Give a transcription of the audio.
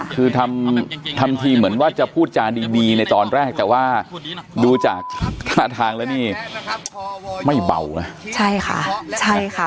คือทำทีเหมือนว่าจะพูดจานดีในตอนแรกแต่ว่าดูจากหน้าทางแล้วนี่ไม่เบา